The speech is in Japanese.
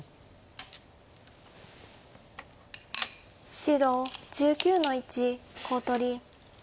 白１９の一コウ取り。